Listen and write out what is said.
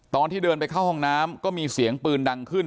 ตอนที่เดินไปเข้าห้องน้ำก็มีเสียงปืนดังขึ้น